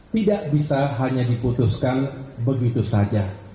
tidak bisa hanya diputuskan begitu saja